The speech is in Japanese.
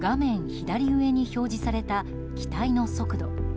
左上に表示された機体の速度。